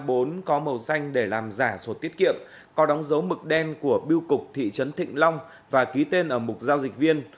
a bốn có màu xanh để làm giả sổ tiết kiệm có đóng dấu mực đen của biêu cục thị trấn thịnh long và ký tên ở mục giao dịch viên